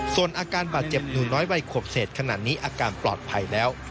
ส่วนอาการบาดเจ็บหนูน้อยวัยขวบเศษขนาดนี้อาการปลอดภัยแล้ว